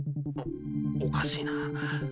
おかしいな。